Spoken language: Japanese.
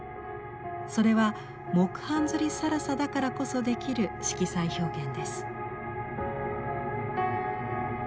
それは木版摺更紗だからこそできる色彩表現です。